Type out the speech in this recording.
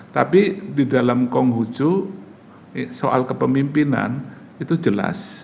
tapi di dalam konghucu soal kepemimpinan itu jelas